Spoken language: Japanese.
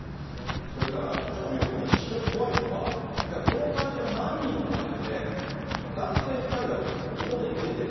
それから、吉川美代子さん、非常に怖いのは、じゃあ、この会社が何人の会社で、男性２人は表に出ている。